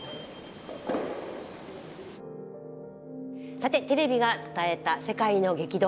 さてテレビが伝えた世界の激動